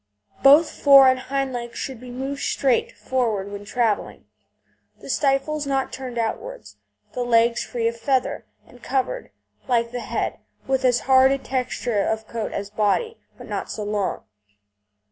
Both fore and hind legs should be moved straight forward when travelling, the stifles not turned outwards, the legs free of feather, and covered, like the head, with as hard a texture of coat as body, but not so long.